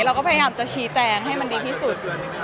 เราก็พยายามจะชี้แจงให้มันดีที่สุด